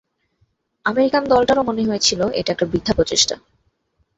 American দলটারও মনে হয়েছিল এটা একটা বৃথা প্রচেষ্টা।